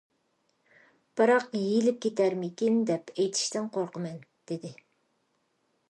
بىراق، يېيىلىپ كېتەرمىكىن دەپ، ئېيتىشتىن قورقىمەن، -دېدى.